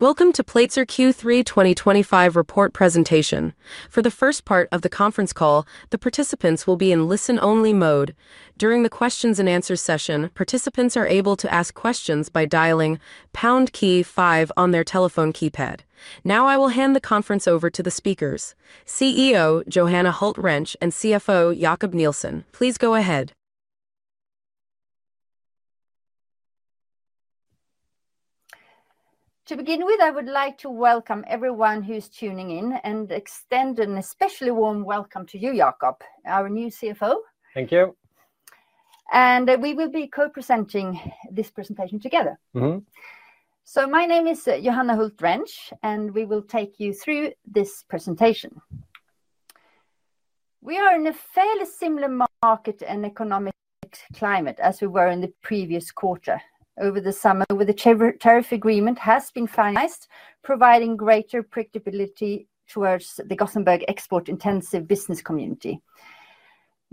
Welcome to Platzer Q3 2025 report presentation. For the first part of the conference call, the participants will be in listen-only mode. During the questions and answers session, participants are able to ask questions by dialing pound key five on their telephone keypad. Now, I will hand the conference over to the speakers: CEO Johanna Hult Rentsch and CFO Jakob Nilsson. Please go ahead. To begin with, I would like to welcome everyone who is tuning in and extend an especially warm welcome to you, Jakob, our new CFO. Thank you. We will be co-presenting this presentation together. My name is Johanna Hult Rentsch, and we will take you through this presentation. We are in a fairly similar market and economic climate as we were in the previous quarter. Over the summer, the tariff agreement has been finalized, providing greater predictability towards the Gothenburg export-intensive business community.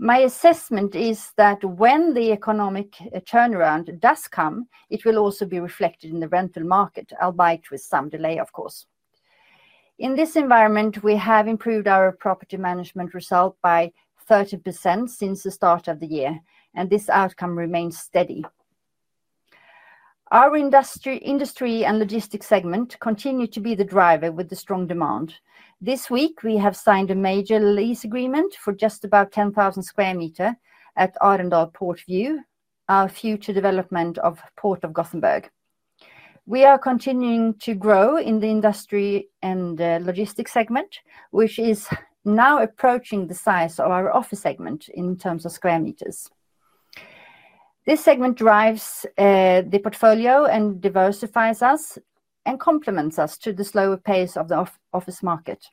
My assessment is that when the economic turnaround does come, it will also be reflected in the rental market, albeit with some delay, of course. In this environment, we have improved our property management result by 30% since the start of the year, and this outcome remains steady. Our industry and logistics segment continue to be the driver with the strong demand. This week, we have signed a major lease agreement for just above 10,000 sq meters at Arendal Port View, our future development of the Port of Gothenburg. We are continuing to grow in the industry and logistics segment, which is now approaching the size of our office segment in terms of square meters. This segment drives the portfolio and diversifies us and complements us to the slower pace of the office market.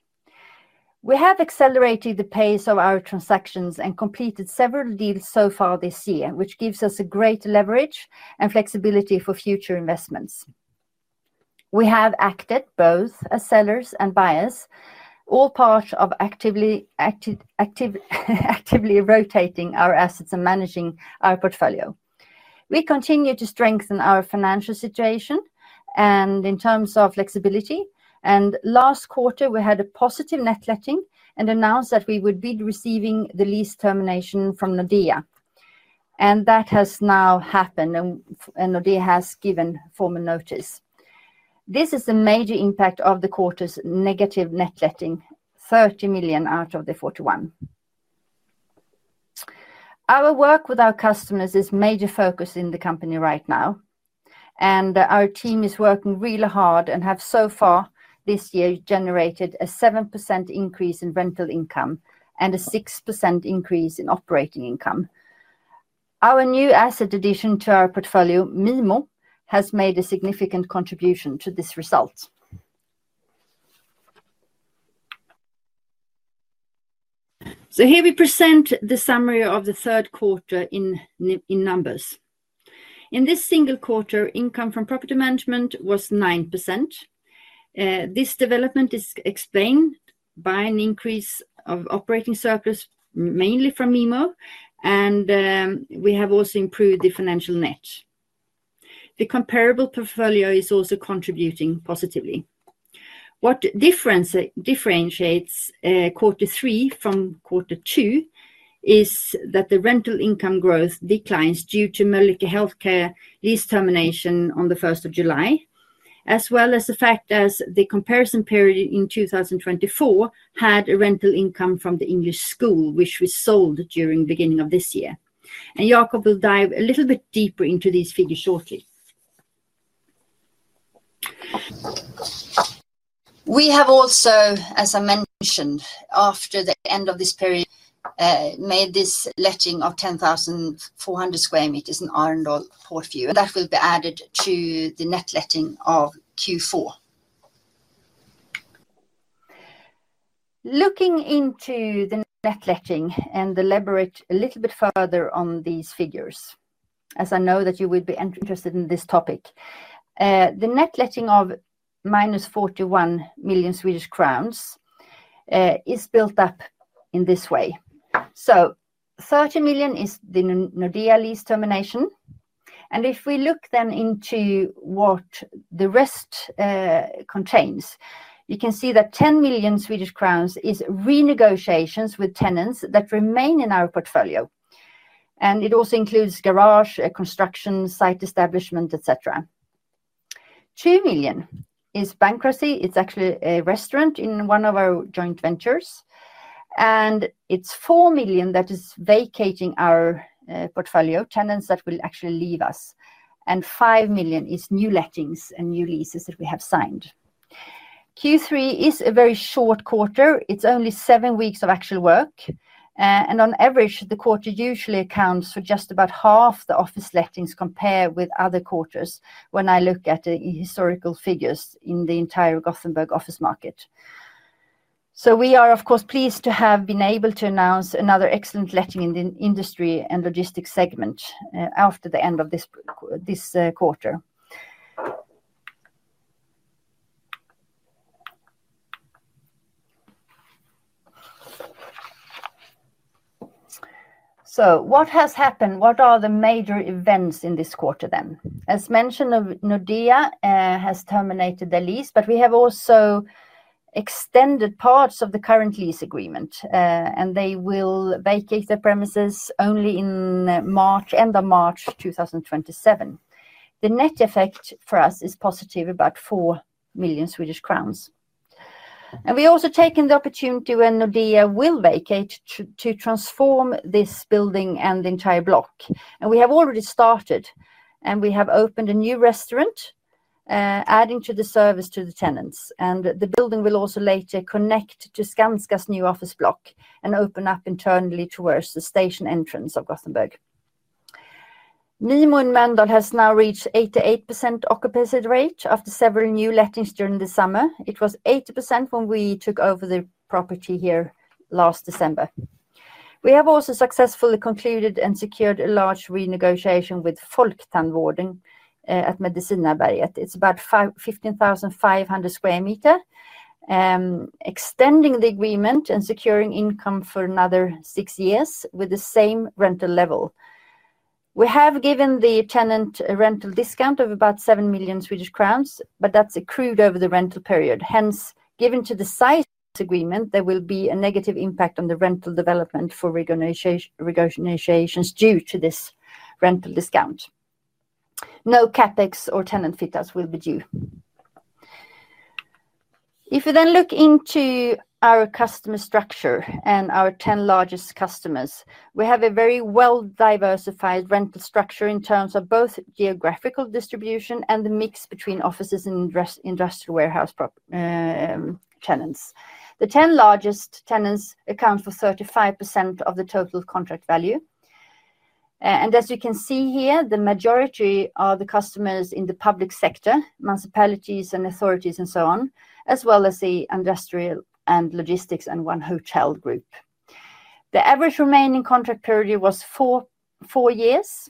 We have accelerated the pace of our transactions and completed several deals so far this year, which gives us greater leverage and flexibility for future investments. We have acted both as sellers and buyers, all part of actively rotating our assets and managing our portfolio. We continue to strengthen our financial situation in terms of flexibility. Last quarter, we had a positive net letting and announced that we would be receiving the lease termination from Nordea. That has now happened, and Nordea has given formal notice. This is a major impact of the quarter's negative net letting, 30 million out of the 41 million. Our work with our customers is a major focus in the company right now, and our team is working really hard and has so far this year generated a 7% increase in rental income and a 6% increase in operating income. Our new asset addition to our portfolio, Mimo, has made a significant contribution to this result. Here we present the summary of the third quarter in numbers. In this single quarter, income from property management was up 9%. This development is explained by an increase of operating surplus, mainly from Mimo, and we have also improved the financial net. The comparable portfolio is also contributing positively. What differentiates quarter three from quarter two is that the rental income growth declines due to Mölnlycke Health Care lease termination on the 1st of July, as well as the fact that the comparison period in 2024 had a rental income from the English School, which was sold during the beginning of this year. Jakob will dive a little bit deeper into these figures shortly. We have also, as I mentioned, after the end of this period, made this letting of 10,400 sq meters in Arendal Port View. That will be added to the net letting of Q4. Looking into the net letting, and to elaborate a little bit further on these figures, as I know that you will be interested in this topic. The net letting of -4 million-1 million Swedish crowns is built up in this way. 30 million is the Nordea lease termination, and if we look then into what the rest contains, you can see that 10 million Swedish crowns is renegotiations with tenants that remain in our portfolio, and it also includes garage, construction, site establishment, etc. 2 million is bankruptcy. It's actually a restaurant in one of our joint ventures, and it's 4 million that is vacating our portfolio, tenants that will actually leave us, and 5 million is new lettings and new leases that we have signed. Q3 is a very short quarter. It's only seven weeks of actual work, and on average, the quarter usually accounts for just about half the office lettings compared with other quarters when I look at the historical figures in the entire Gothenburg office market. We are, of course, pleased to have been able to announce another excellent letting in the industrial and logistics segment after the end of this quarter. What has happened? What are the major events in this quarter then? As mentioned, Nordea has terminated their lease, but we have also extended parts of the current lease agreement, and they will vacate their premises only at the end of March 2027. The net effect for us is positive, about 4 million Swedish crowns. We have also taken the opportunity when Nordea will vacate to transform this building and the entire block. We have already started, and we have opened a new restaurant, adding to the service to the tenants. The building will also later connect to Skanska's new office block and open up internally towards the station entrance of Gothenburg. Mimo in Mölnlycke has now reached an 88% occupancy rate after several new lettings during the summer. It was 80% when we took over the property here last December. We have also successfully concluded and secured a large renegotiation with Folktandvården at Medicinaberget. It's about 15,500 sq meters, extending the agreement and securing income for another six years with the same rental level. We have given the tenant a rental discount of about 7 million Swedish crowns, but that's accrued over the rental period. Hence, given the site agreement, there will be a negative impact on the rental development for renegotiations due to this rental discount. No CapEx or tenant fee will be due. If we then look into our customer structure and our 10 largest customers, we have a very well-diversified rental structure in terms of both geographical distribution and the mix between offices and industrial warehouse tenants. The 10 largest tenants account for 35% of the total contract value. As you can see here, the majority of the customers are in the public sector, municipalities, authorities, and so on, as well as the industrial and logistics and one hotel group. The average remaining contract period was four years.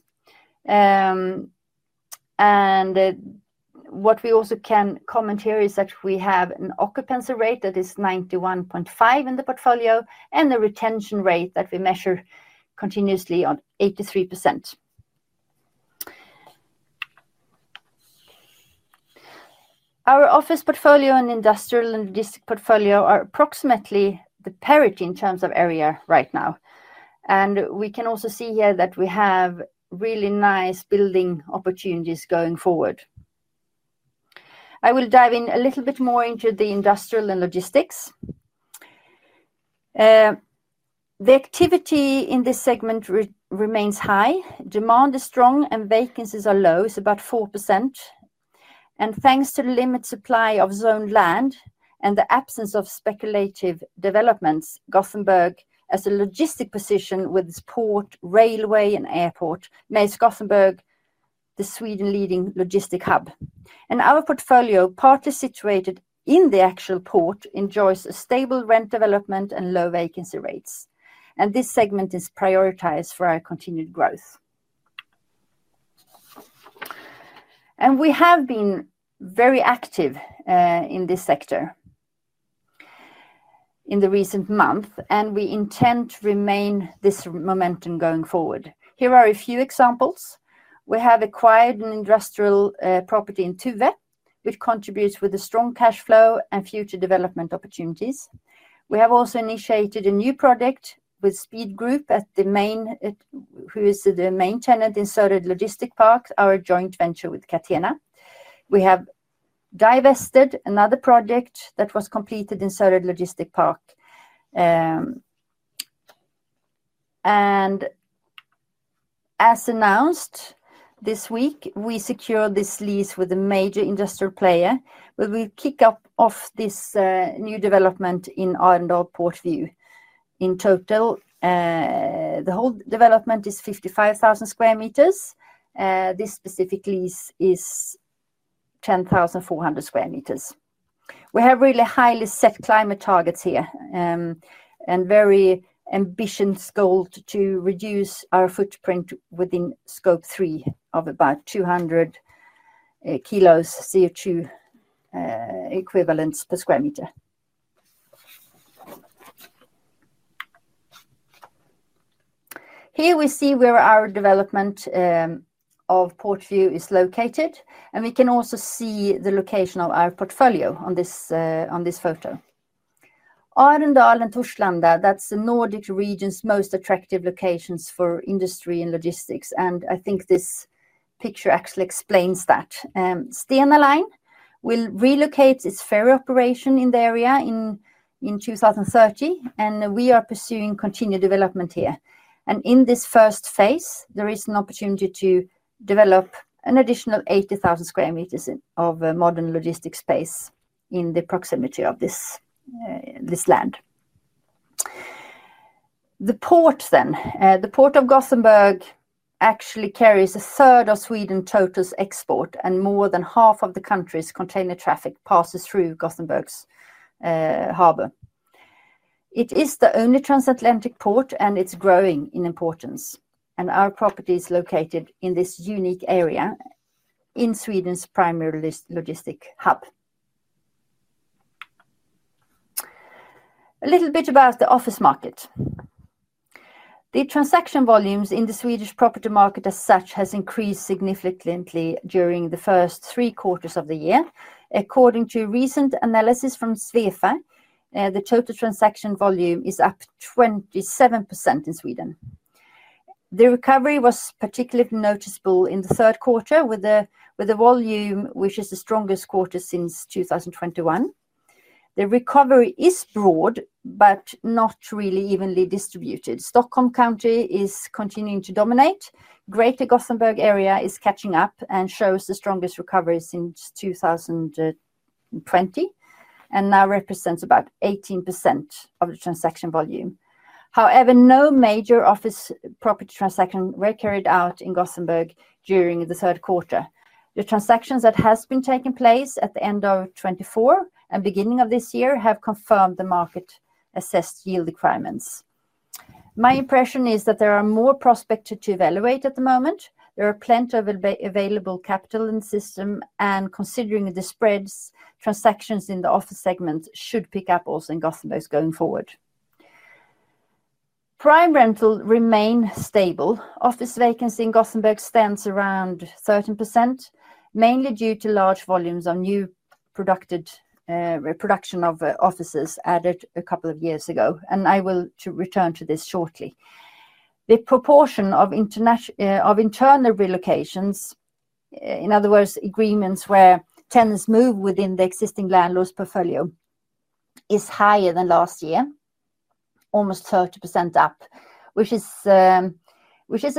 What we also can comment here is that we have an occupancy rate that is 91.5% in the portfolio and a retention rate that we measure continuously at 83%. Our office portfolio and industrial and logistics portfolio are approximately at parity in terms of area right now. We can also see here that we have really nice building opportunities going forward. I will dive in a little bit more into the industrial and logistics. The activity in this segment remains high. Demand is strong and vacancies are low. It's about 4%. Thanks to the limited supply of zoned land and the absence of speculative developments, Gothenburg, as a logistics position with its port, railway, and airport, makes Gothenburg Sweden's leading logistics hub. Our portfolio, partly situated in the actual port, enjoys a stable rent development and low vacancy rates. This segment is prioritized for our continued growth. We have been very active in this sector in the recent months, and we intend to remain this momentum going forward. Here are a few examples. We have acquired an industrial property in Tuve, which contributes with a strong cash flow and future development opportunities. We have also initiated a new project with Speed Group, who is the main tenant in Sörred Logistics Park, our joint venture with Catena. We have divested another project that was completed in Sörred Logistics Park. As announced this week, we secured this lease with a major industrial player, where we will kick off this new development in Arendal Port View. In total, the whole development is 55,000 sq meters. This specific lease is 10,400 sq meters. We have really highly set climate targets here and very ambitious goals to reduce our footprint within scope three of about 200 kg CO2 equivalents per sq meter. Here we see where our development of Port View is located, and we can also see the location of our portfolio on this photo. Arendal and Torslanda, that's the Nordic region's most attractive locations for industry and logistics, and I think this picture actually explains that. StenaLine will relocate its ferry operation in the area in 2030, and we are pursuing continued development here. In this first phase, there is an opportunity to develop an additional 80,000 sq meters of modern logistics space in the proximity of this land. The port then, the Port of Gothenburg actually carries a third of Sweden's total export, and more than half of the country's container traffic passes through Gothenburg's harbor. It is the only transatlantic port, and it's growing in importance. Our property is located in this unique area in Sweden's primary logistics hub. A little bit about the office market. The transaction volumes in the Swedish property market as such have increased significantly during the first three quarters of the year. According to a recent analysis from SWEFA, the total transaction volume is up 27% in Sweden. The recovery was particularly noticeable in the third quarter with a volume which is the strongest quarter since 2021. The recovery is broad but not really evenly distributed. Stockholm County is continuing to dominate. Greater Gothenburg area is catching up and shows the strongest recovery since 2020 and now represents about 18% of the transaction volume. However, no major office property transactions were carried out in Gothenburg during the third quarter. The transactions that have been taking place at the end of 2024 and beginning of this year have confirmed the market-assessed yield requirements. My impression is that there are more prospects to evaluate at the moment. There is plenty of available capital in the system, and considering the spreads, transactions in the office segment should pick up also in Gothenburg going forward. Prime rental remains stable. Office vacancy in Gothenburg stands around 13%, mainly due to large volumes of new production of offices added a couple of years ago. I will return to this shortly. The proportion of internal relocations, in other words, agreements where tenants move within the existing landlord's portfolio, is higher than last year, almost 30% up, which is a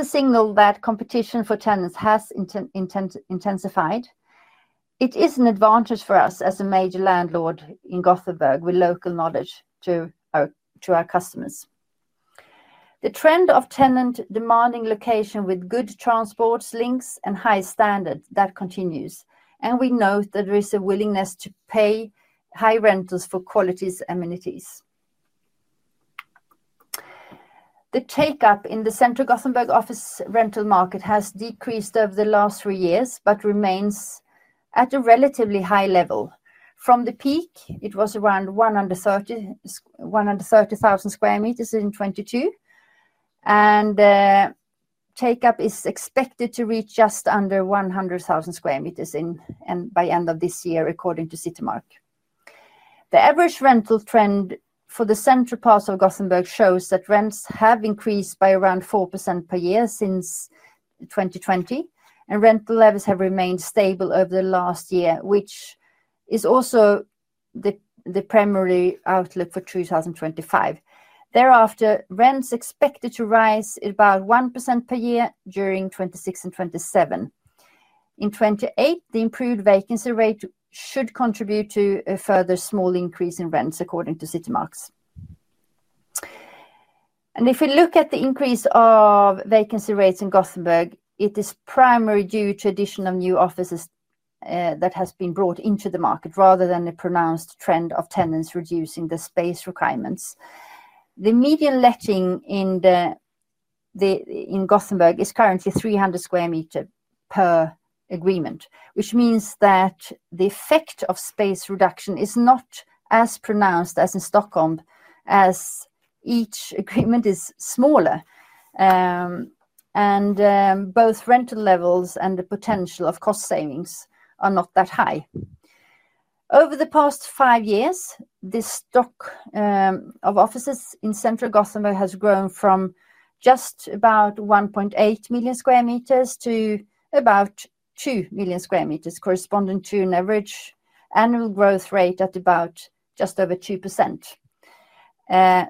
signal that competition for tenants has intensified. It is an advantage for us as a major landlord in Gothenburg with local knowledge to our customers. The trend of tenants demanding location with good transport links and high standards continues, and we know that there is a willingness to pay high rentals for quality amenities. The take-up in the central Gothenburg office rental market has decreased over the last three years but remains at a relatively high level. From the peak, it was around 130,000 sq meters in 2022, and take-up is expected to reach just under 100,000 sq meters by the end of this year, according to Citymark. The average rental trend for the central parts of Gothenburg shows that rents have increased by around 4% per year since 2020, and rental levels have remained stable over the last year, which is also the primary outlook for 2025. Thereafter, rents are expected to rise about 1% per year during 2026 and 2027. In 2028, the improved vacancy rate should contribute to a further small increase in rents, according to Citymark. If we look at the increase of vacancy rates in Gothenburg, it is primarily due to the addition of new offices that have been brought into the market, rather than a pronounced trend of tenants reducing the space requirements. The median letting in Gothenburg is currently 300 sq meters per agreement, which means that the effect of space reduction is not as pronounced as in Stockholm, as each agreement is smaller, and both rental levels and the potential of cost savings are not that high. Over the past five years, the stock of offices in central Gothenburg has grown from just about 1.8 million sq meters to about 2 million sq meters, corresponding to an average annual growth rate at about just over 2%, as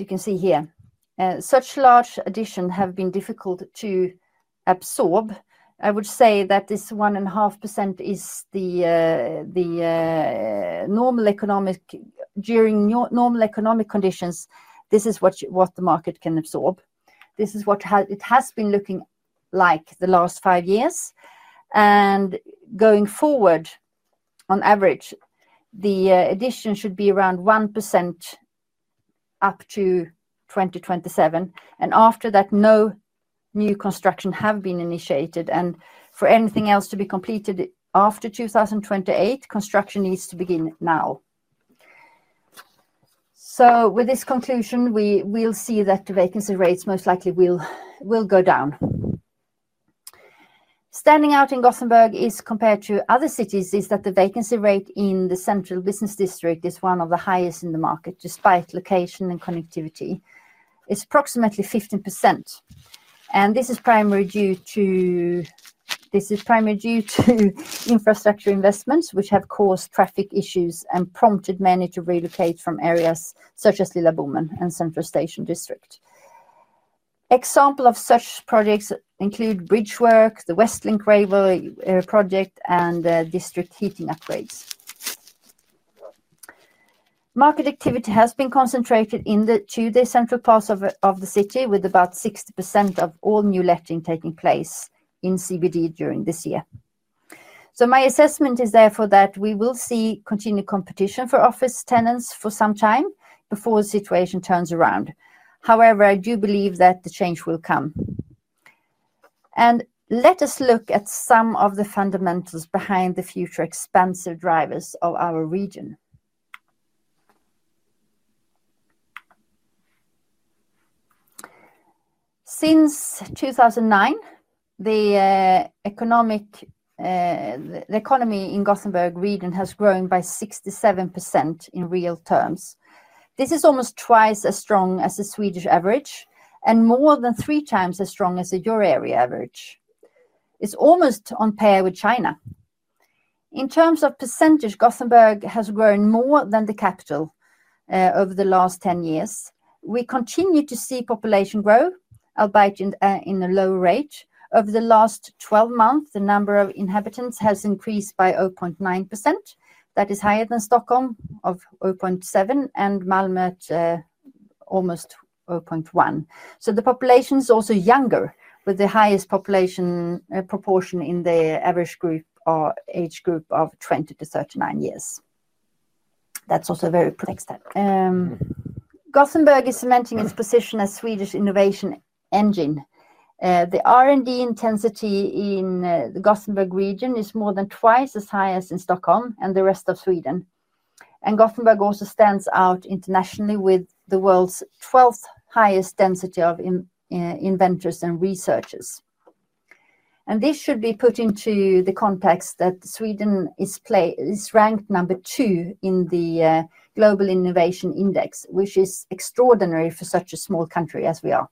you can see here. Such large additions have been difficult to absorb. I would say that this 1.5% is the normal economic. During normal economic conditions, this is what the market can absorb. This is what it has been looking like the last five years. Going forward, on average, the addition should be around 1% up to 2027. After that, no new construction has been initiated. For anything else to be completed after 2028, construction needs to begin now. With this conclusion, we will see that the vacancy rates most likely will go down. Standing out in Gothenburg, compared to other cities, is that the vacancy rate in the central business district is one of the highest in the market, despite location and connectivity. It's approximately 15%. This is primarily due to infrastructure investments, which have caused traffic issues and prompted many to relocate from areas such as Lilla Bommen and Central Station district. Examples of such projects include bridge work, the Westlink railway project, and district heating upgrades. Market activity has been concentrated to the central parts of the city, with about 60% of all new letting taking place in the CBD during this year. My assessment is therefore that we will see continued competition for office tenants for some time before the situation turns around. However, I do believe that the change will come. Let us look at some of the fundamentals behind the future expansive drivers of our region. Since 2009, the economy in the Gothenburg region has grown by 67% in real terms. This is almost twice as strong as the Swedish average and more than three times as strong as the euro area average. It's almost on par with China. In terms of percentage, Gothenburg has grown more than the capital over the last 10 years. We continue to see population grow, albeit at a low rate. Over the last 12 months, the number of inhabitants has increased by 0.9%. That is higher than Stockholm at 0.7% and Malmö at almost 0.1%. The population is also younger, with the highest population proportion in the age group of 20 to 39 years. Gothenburg is cementing its position as a Swedish innovation engine. The R&D intensity in the Gothenburg region is more than twice as high as in Stockholm and the rest of Sweden. Gothenburg also stands out internationally with the world's 12th highest density of inventors and researchers. This should be put into the context that Sweden is ranked number two in the Global Innovation Index, which is extraordinary for such a small country as we are.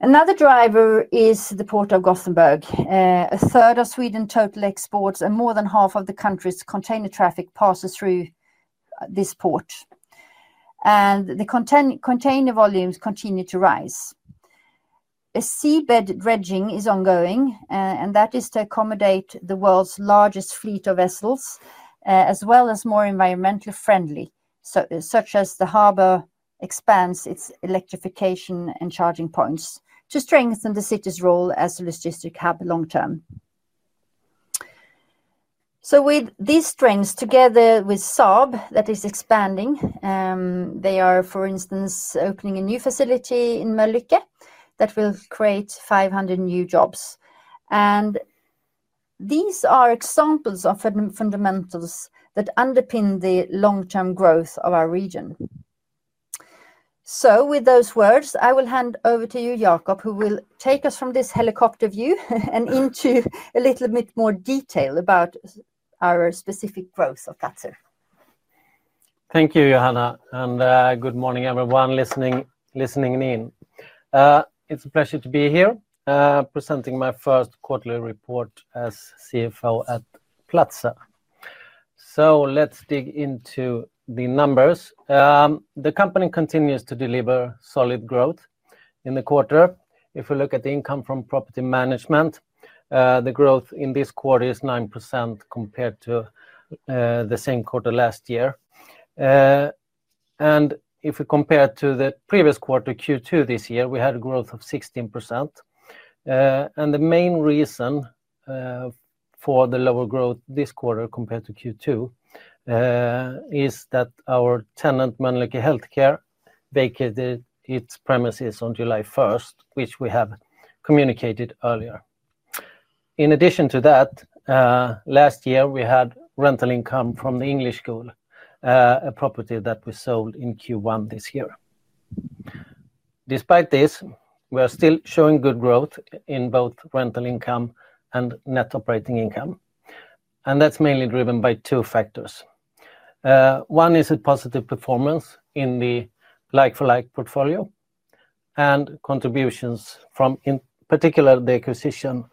Another driver is the Port of Gothenburg. A third of Sweden's total exports and more than half of the country's container traffic passes through this port. The container volumes continue to rise. A seabed bridging is ongoing, and that is to accommodate the world's largest fleet of vessels, as well as more environmentally friendly, such as the harbor expands its electrification and charging points to strengthen the city's role as a logistics hub long term. With these strengths, together with Saab that is expanding, they are, for instance, opening a new facility in Mölndal that will create 500 new jobs. These are examples of fundamentals that underpin the long-term growth of our region. With those words, I will hand over to you, Jakob, who will take us from this helicopter view and into a little bit more detail about our specific growth of Platzer. Thank you, Johanna, and good morning, everyone, listening in. It's a pleasure to be here presenting my first quarterly report as CFO at Platzer. Let's dig into the numbers. The company continues to deliver solid growth in the quarter. If we look at the income from property management, the growth in this quarter is 9% compared to the same quarter last year. If we compare it to the previous quarter, Q2 this year, we had a growth of 16%. The main reason for the lower growth this quarter compared to Q2 is that our tenant, Mölnycke Health Care, vacated its premises on July 1st, which we have communicated earlier. In addition to that, last year we had rental income from the English School, a property that was sold in Q1 this year. Despite this, we are still showing good growth in both rental income and net operating income. That's mainly driven by two factors. One is a positive performance in the like-for-like portfolio and contributions from, in particular, the acquisition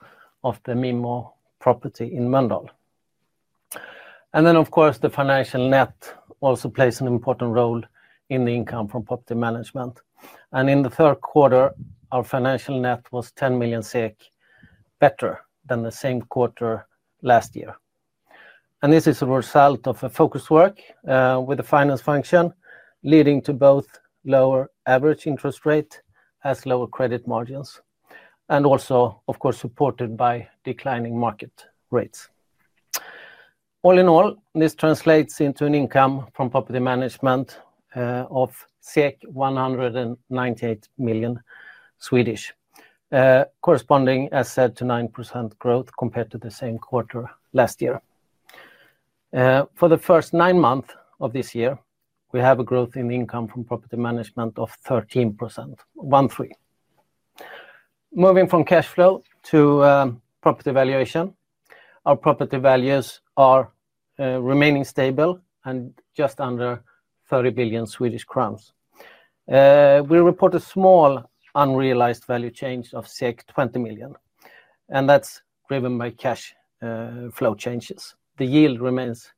of the Mimo property in Mölndal. Of course, the financial net also plays an important role in the income from property management. In the third quarter, our financial net was 10 million SEK better than the same quarter last year. This is a result of focused work with the finance function leading to both lower average interest rates as lower credit margins and also, of course, supported by declining market rates. All in all, this translates into an income from property management of 198 million, corresponding, as said, to 9% growth compared to the same quarter last year. For the first nine months of this year, we have a growth in income from property management of 13%. Moving from cash flow to property valuation, our property values are remaining stable and just under 30 billion Swedish crowns. We report a small unrealized value change of 20 million, and that's driven by cash flow changes. The yield remains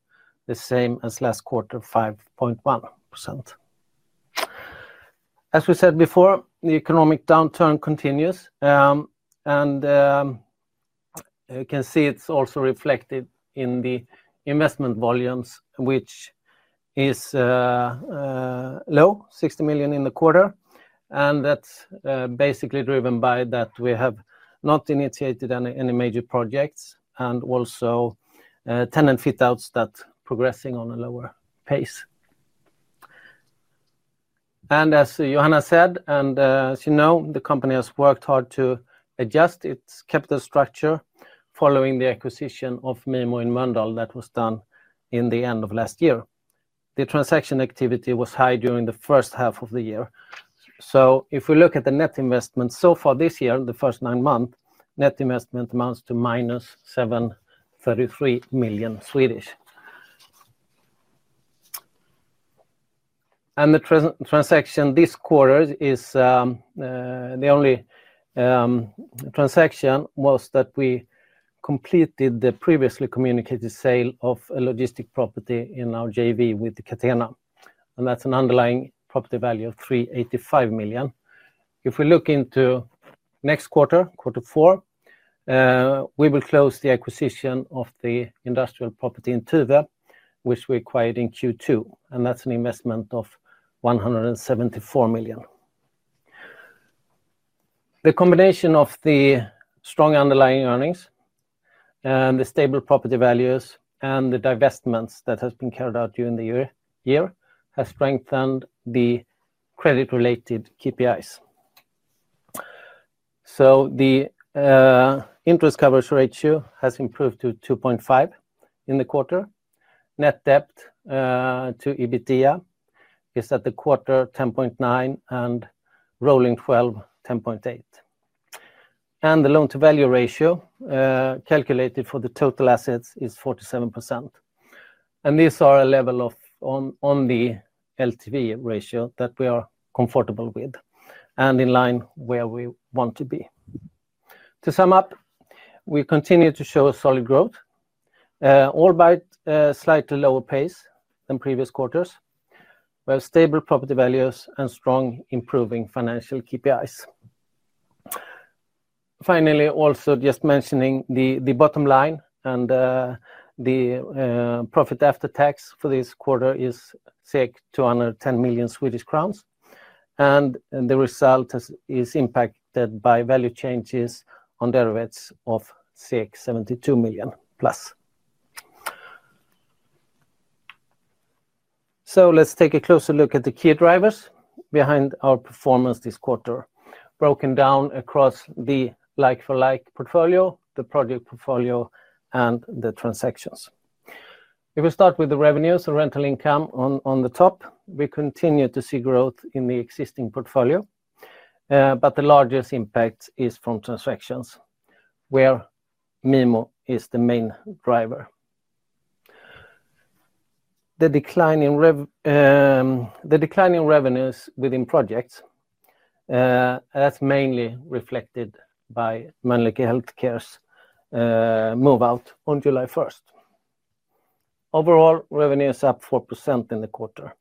the same as last quarter, 5.1%. As we said before, the economic downturn continues, and you can see it's also reflected in the investment volumes, which are low, 60 million in the quarter. That's basically driven by the fact that we have not initiated any major projects and also tenant fit-outs that are progressing at a lower pace. As Johanna said, and as you know, the company has worked hard to adjust its capital structure following the acquisition of Mimo in Mölndal that was done in the end of last year. The transaction activity was high during the first half of the year. If we look at the net investment so far this year, the first nine months, net investment amounts to -733 million. The transaction this quarter is the only transaction that we completed, the previously communicated sale of a logistics property in our JV with Catena, and that's an underlying property value of 385 million. If we look into next quarter, quarter four, we will close the acquisition of the industrial property in Tuve, which we acquired in Q2, and that's an investment of 174 million. The combination of the strong underlying earnings, the stable property values, and the divestments that have been carried out during the year has strengthened the credit-related KPIs. The interest coverage ratio has improved to 2.5% in the quarter. Net debt to EBITDA is at the quarter 10.9% and rolling 12%, 10.8%. The loan-to-value ratio calculated for the total assets is 47%. These are a level on the LTV ratio that we are comfortable with and in line with where we want to be. To sum up, we continue to show solid growth, albeit at a slightly lower pace than previous quarters, with stable property values and strong improving financial KPIs. Finally, also just mentioning the bottom line, the profit after tax for this quarter is 210 million Swedish crowns. The result is impacted by value changes on derivatives of SEK 72 million+. Let's take a closer look at the key drivers behind our performance this quarter, broken down across the like-for-like portfolio, the project portfolio, and the transactions. We will start with the revenues and rental income on the top. We continue to see growth in the existing portfolio, but the largest impact is from transactions, where Mimo is the main driver. The decline in revenues within projects, that's mainly reflected by Mölnlycke Health Care's move out on July 1st. Overall, revenues are up 4% in the quarter,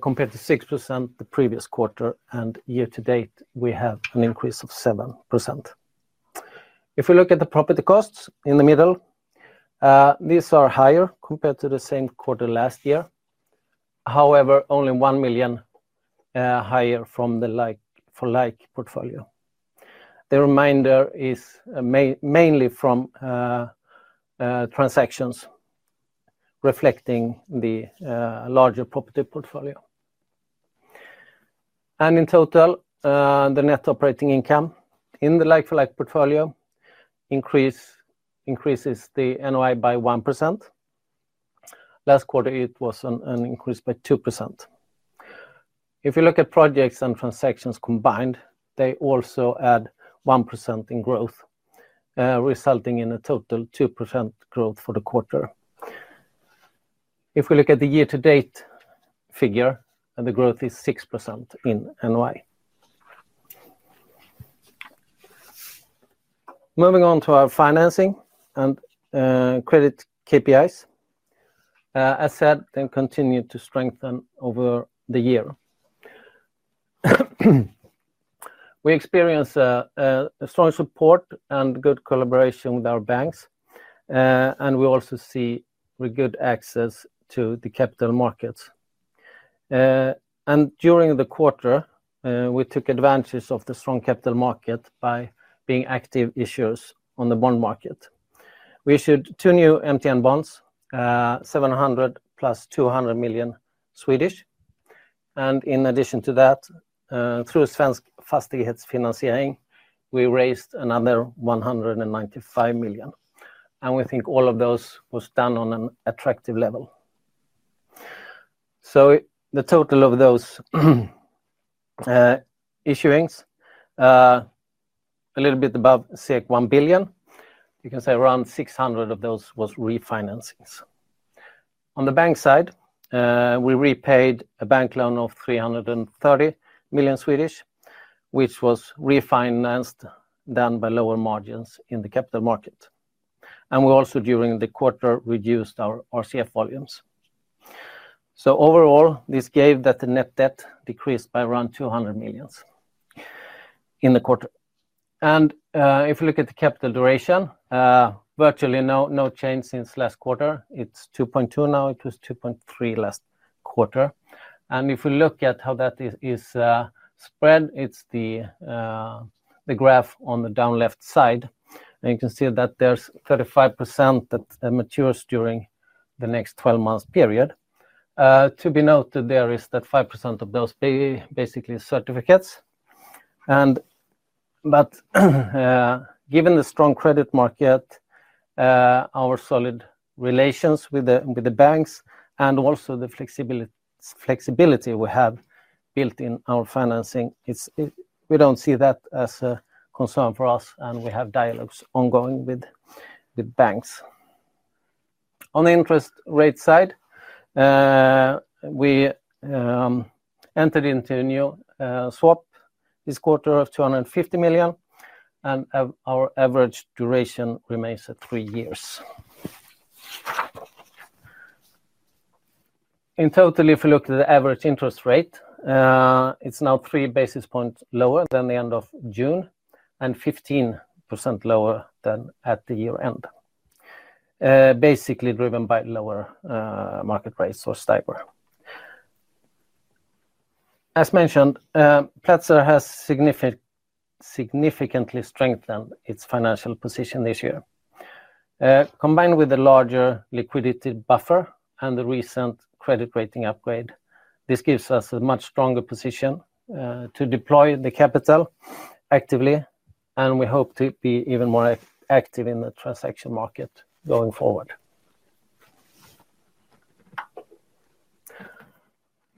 compared to 6% the previous quarter, and year to date, we have an increase of 7%. If we look at the property costs in the middle, these are higher compared to the same quarter last year. However, only 1 million higher from the like-for-like portfolio. The remainder is mainly from transactions reflecting the larger property portfolio. In total, the net operating income in the like-for-like portfolio increases the NOI by 1%. Last quarter, it was an increase by 2%. If you look at projects and transactions combined, they also add 1% in growth, resulting in a total 2% growth for the quarter. If we look at the year-to-date figure, the growth is 6% in NOI. Moving on to our financing and credit KPIs, as said, they continue to strengthen over the year. We experience a strong support and good collaboration with our banks, and we also see good access to the capital markets. During the quarter, we took advantage of the strong capital market by being active issuers on the bond market. We issued two new MTN bonds, 700 million+ 200 million. In addition to that, through Svensk Fastighets Finansiering, we raised another 195 million. We think all of those were done on an attractive level. The total of those issuings, a little bit above 1 billion, you can say around 600 million of those were refinancings. On the bank side, we repaid a bank loan of 330 million, which was refinanced then by lower margins in the capital market. We also, during the quarter, reduced our RCF volumes. Overall, this gave that the net debt decreased by around 200 million in the quarter. If we look at the capital duration, virtually no change since last quarter. It's 2.2 years now. It was 2.3 years last quarter. If we look at how that is spread, it's the graph on the down-left side. You can see that there's 35% that matures during the next 12-month period. To be noted, there is that 5% of those basically certificates. Given the strong credit market, our solid relations with the banks, and also the flexibility we have built in our financing, we don't see that as a concern for us, and we have dialogues ongoing with banks. On the interest rate side, we entered into a new swap this quarter of 250 million, and our average duration remains at three years. In total, if we look at the average interest rate, it's now three basis points lower than the end of June and 15% lower than at the year-end, basically driven by lower market rates or STIBOR. As mentioned, Platzer has significantly strengthened its financial position this year. Combined with the larger liquidity buffer and the recent credit rating upgrade, this gives us a much stronger position to deploy the capital actively, and we hope to be even more active in the transaction market going forward.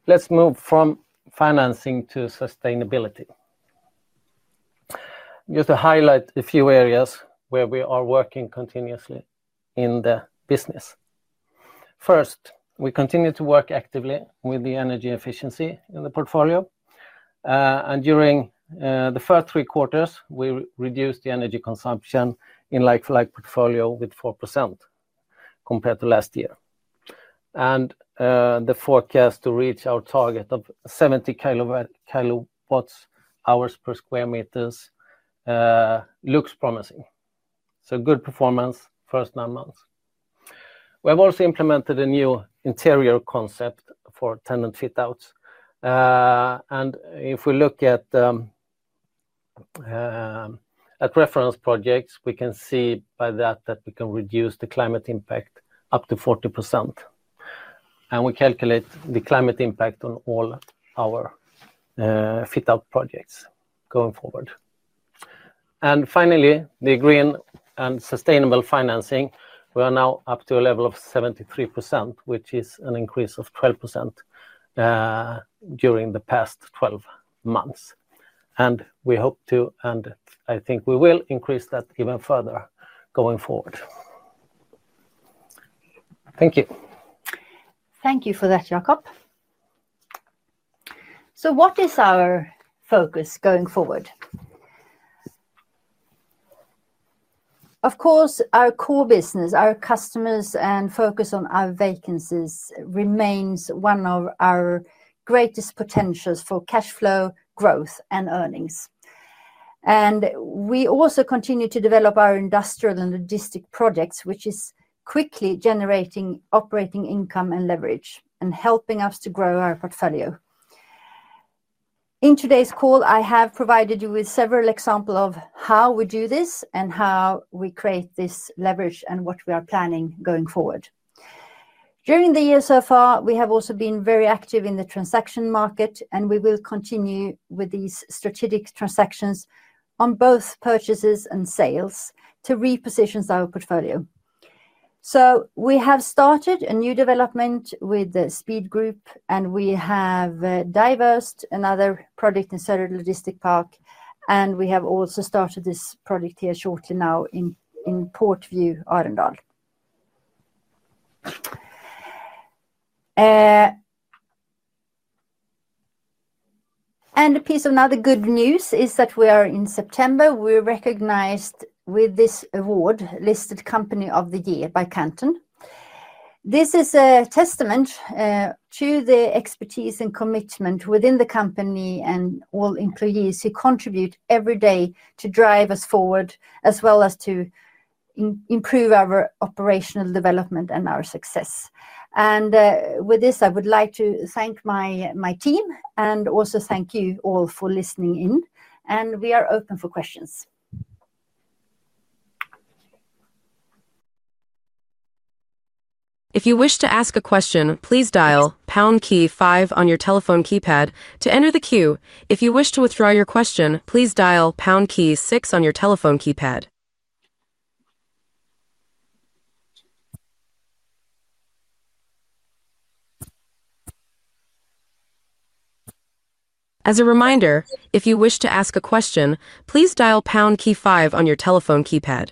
Let's move from financing to sustainability. I'm going to highlight a few areas where we are working continuously in the business. First, we continue to work actively with the energy efficiency in the portfolio. During the first three quarters, we reduced the energy consumption in the like-for-like portfolio by 4% compared to last year. The forecast to reach our target of 70 kW-hours per sq meter looks promising. A good performance in the first nine months. We have also implemented a new interior concept for tenant fit-outs. If we look at reference projects, we can see by that that we can reduce the climate impact up to 40%. We calculate the climate impact on all our fit-out projects going forward. Finally, the green and sustainable financing, we are now up to a level of 73%, which is an increase of 12% during the past 12 months. We hope to, and I think we will, increase that even further going forward. Thank you. Thank you for that, Jakob. What is our focus going forward? Of course, our core business, our customers, and focus on our vacancies remain one of our greatest potentials for cash flow growth and earnings. We also continue to develop our industrial and logistics projects, which are quickly generating operating income and leverage and helping us to grow our portfolio. In today's call, I have provided you with several examples of how we do this and how we create this leverage and what we are planning going forward. During the years so far, we have also been very active in the transaction market, and we will continue with these strategic transactions on both purchases and sales to reposition our portfolio. We have started a new development with the Speed Group, and we have divested another project in Sörred Logistics Park, and we have also started this project here shortly now in Port View Arendal. A piece of another good news is that we are, in September, recognized with this award, Listed Company of the Year by Catena. This is a testament to the expertise and commitment within the company and all employees who contribute every day to drive us forward, as well as to improve our operational development and our success. With this, I would like to thank my team and also thank you all for listening in. We are open for questions. If you wish to ask a question, please dial pound key five on your telephone keypad to enter the queue. If you wish to withdraw your question, please dial pound key six on your telephone keypad. As a reminder, if you wish to ask a question, please dial pound key five on your telephone keypad.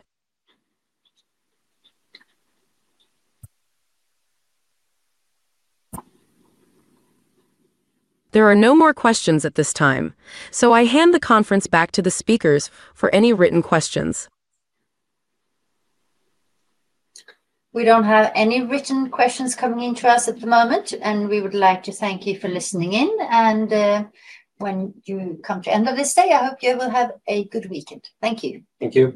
There are no more questions at this time, so I hand the conference back to the speakers for any written questions. We don't have any written questions coming in to us at the moment, and we would like to thank you for listening in. When you come to the end of this day, I hope you will have a good weekend. Thank you. Thank you.